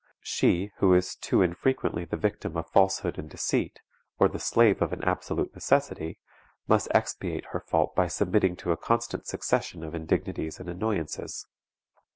She, who is too frequently the victim of falsehood and deceit, or the slave of an absolute necessity, must expiate her fault by submitting to a constant succession of indignities and annoyances.